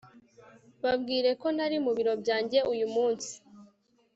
babwire ko ntari mu biro byanjye uyu munsi